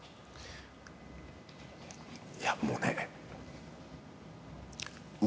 いやもうね。